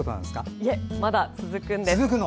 いえ、まだ続くんです。